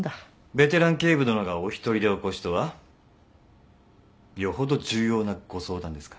ベテラン警部殿がお一人でお越しとはよほど重要なご相談ですか？